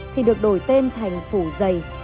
thì được đổi tên thành phủ giày